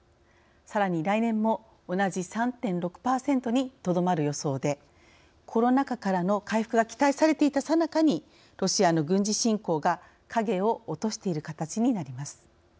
さらに来年も同じ３．６％にとどまる予想でコロナ禍からの回復が期待されていたさなかにロシアの軍事侵攻が影を落としている形になります。